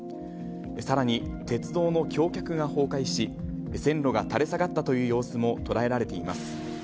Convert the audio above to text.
さらに鉄道の橋脚が崩壊し、線路が垂れ下がったという様子も捉えられています。